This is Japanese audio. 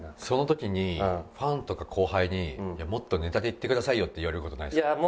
その時にファンとか後輩にいやもっとネタでいってくださいよって言われる事ないですか？